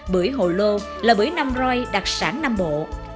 bưởi hồ lô là bưởi nam roi đặc sản nam bộ